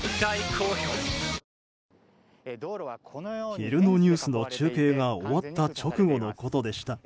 昼のニュースの中継が終わった直後のことでした。